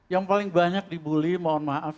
yang paling banyak dibully mohon maaf